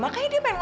ngapain sama itu